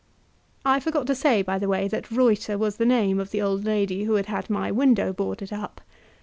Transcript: I forgot to say, by the by, that Reuter was the name of the old lady who had had my window bearded up.